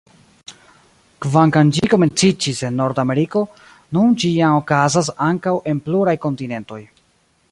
Kvankam ĝi komenciĝis en Nord-Ameriko, nun ĝi jam okazas ankaŭ en pluraj kontinentoj.